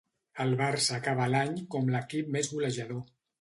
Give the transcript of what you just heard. El Barça acaba l'any com l'equip més golejador.